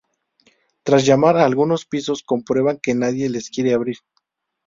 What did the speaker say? Tras llamar a algunos pisos, comprueban que nadie les quiere abrir.